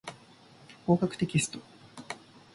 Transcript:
合格テキスト